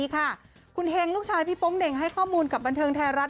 คุณเฮงลูกชายพี่โป๊งเด่งให้ข้อมูลกับบันเทิงไทยรัฐ